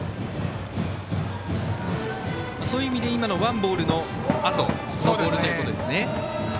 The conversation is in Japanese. そういう意味で今のワンボールのあとのボールということですね。